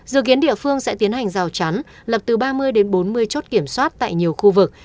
dự kiến địa phương sẽ tiến hành rào chắn lập từ ba mươi đến bốn mươi chốt kiểm soát tại nhiều khu vực